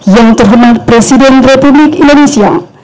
yang terjemah presiden republik indonesia